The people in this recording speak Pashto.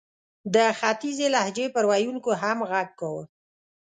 د ختیځې لهجې پر ویونکو هم ږغ کاوه.